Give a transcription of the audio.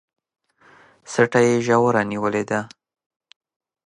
څټه يې ژوره نيولې ده